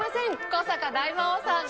古坂大魔王さん。